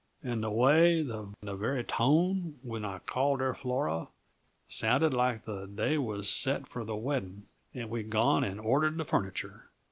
And the way the very tone when I called her Flora sounded like the day was set for the wedding and we'd gone and ordered the furniture!"